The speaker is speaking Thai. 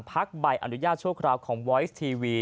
ใบอนุญาตชั่วคราวของวอยซ์ทีวี